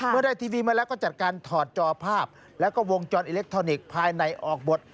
เมื่อได้ทีวีมาแล้วก็จัดการถอดจอภาพแล้วก็วงจรอิเล็กทรอนิกส์ภายในออกบท